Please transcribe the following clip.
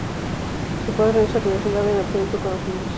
Su padre no se relacionaba en absoluto con los niños.